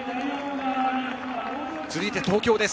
続いて東京です。